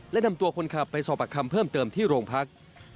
และนำตัวคนขับไปสอบประคำเพิ่มเติมที่โรงพัก